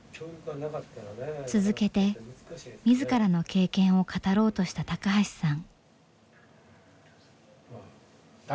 続けて自らの経験を語ろうとした高橋さん。